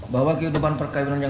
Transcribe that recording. bahwa kehidupan perkembangan yang